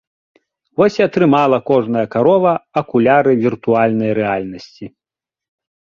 Вось і атрымала кожная карова акуляры віртуальнай рэальнасці.